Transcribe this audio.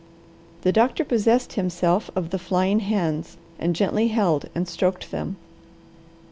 The doctor possessed himself of the flying hands, and gently held and stroked them.